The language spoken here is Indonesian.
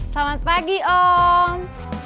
selamat pagi om